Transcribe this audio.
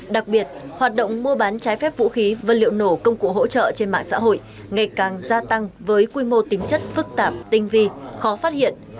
đặc biệt hoạt động mua bán trái phép vũ khí và liệu nổ công cụ hỗ trợ trên mạng xã hội ngày càng gia tăng với quy mô tính chất phức tạp tinh vi khó phát hiện